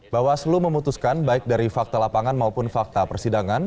bawaslu memutuskan baik dari fakta lapangan maupun fakta persidangan